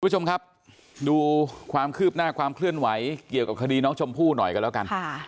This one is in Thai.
คุณผู้ชมครับดูความคืบหน้าความเคลื่อนไหวเกี่ยวกับคดีน้องชมพู่หน่อยกันแล้วกัน